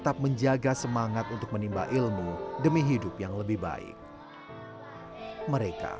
dan menjaga keamanan kita dan menjaga keamanan kita ilmu demi hidup yang lebih baik mereka